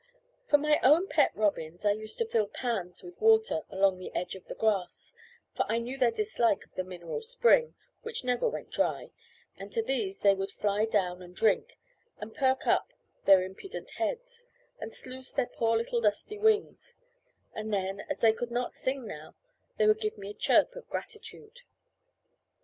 For my own pet robins I used to fill pans with water along the edge of the grass, for I knew their dislike of the mineral spring (which never went dry), and to these they would fly down and drink, and perk up their impudent heads, and sluice their poor little dusty wings; and then, as they could not sing now, they would give me a chirp of gratitude.